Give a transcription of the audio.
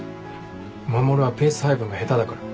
守はペース配分が下手だから。